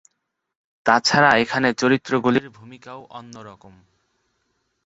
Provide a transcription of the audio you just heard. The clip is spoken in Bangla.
তাছাড়া এখানে চরিত্রগুলির ভূমিকাও অন্যরকম।